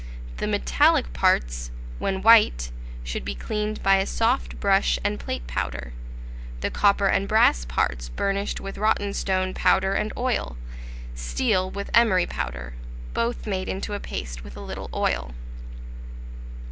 The metallic parts, when white, should be cleaned by a soft brush and plate powder; the copper and brass parts burnished with rottenstone powder and oil, steel with emery powder; both made into a paste with a little oil.